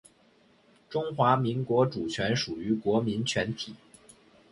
中华民国主权属于国民全体